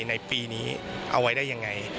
ในปีนี้เอาไว้ได้ยังไง